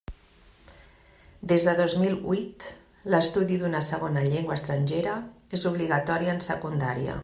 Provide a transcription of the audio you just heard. Des del dos mil huit, l'estudi d'una segona llengua estrangera és obligatori en Secundària.